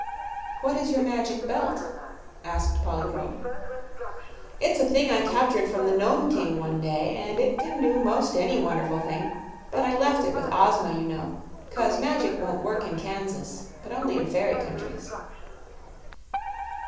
"What is your Magic Belt?" asked Polychrome. "It's a thing I captured from the Nome King one day, and it can do 'most any wonderful thing. But I left it with Ozma, you know; 'cause magic won't work in Kansas, but only in fairy countries."